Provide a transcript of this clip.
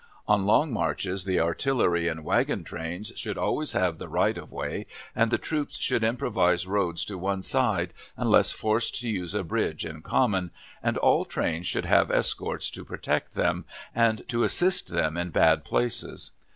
On long marches the artillery and wagon trains should always have the right of way, and the troops should improvise roads to one side, unless forced to use a bridge in common, and all trains should have escorts to protect them, and to assist them in bad places.